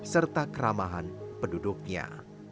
serta keramahan penduduknya